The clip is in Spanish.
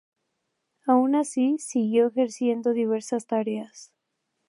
Aun así, siguió ejerciendo diversas tareas.